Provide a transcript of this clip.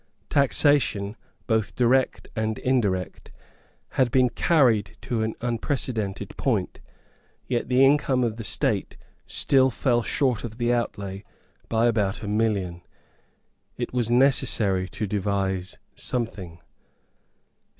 Taxation, both direct and indirect, had been carried to an unprecedented point; yet the income of the state still fell short of the outlay by about a million. It was necessary to devise something.